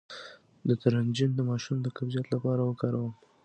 د ترنجبین د ماشوم د قبضیت لپاره وکاروئ